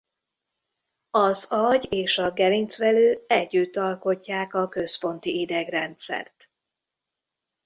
Az agy és a gerincvelő együtt alkotják a központi idegrendszert.